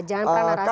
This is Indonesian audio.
jangan pernah rahasi